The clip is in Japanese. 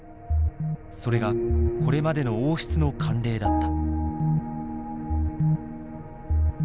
それがこれまでの王室の慣例だった。